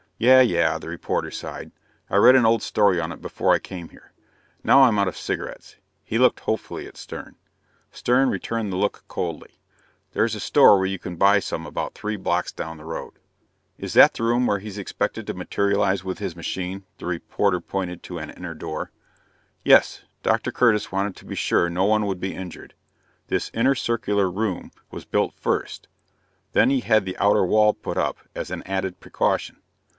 "Yeah, yeah," the reporter sighed. "I read an old story on it before I came here. Now I'm out of cigarettes." He looked hopefully at Stern. Stern returned the look coldly. "There's a store where you can buy some about three blocks down the road." "Is that the room where he's expected to materialize with his machine?" The reporter pointed to an inner door. "Yes. Dr. Curtis wanted to be sure no one would be injured. This inner circular room was built first; then he had the outer wall put up as an added precaution.